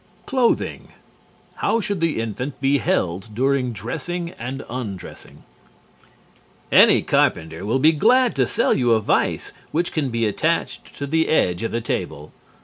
CLOTHING How should the infant be held during dressing and undressing? Any carpenter will be glad to sell you a vise which can be attached to the edge of the table.